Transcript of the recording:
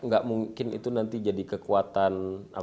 gak mungkin itu nanti jadi kekuatan